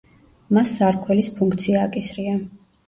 მას სარქველის ფუნქცია აკისრია.